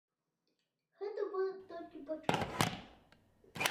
Гэта быў толькі пачатак.